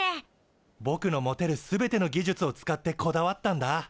ぼくの持てる全ての技術を使ってこだわったんだ。